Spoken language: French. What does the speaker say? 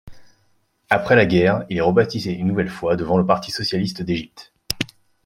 Après la guerre, il est rebaptisé une nouvelle fois, devenant le Parti socialiste d'Égypte.